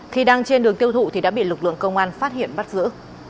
khi đang trên đường tiêu thụ thì đã bị lực lượng công an phát hiện bắt giữ